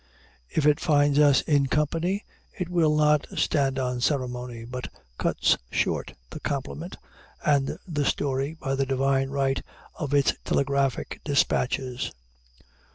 If it finds us in company, it will not stand on ceremony, but cuts short the compliment and the story by the divine right of its telegraphic dispatches.